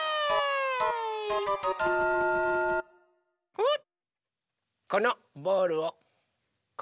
おっ。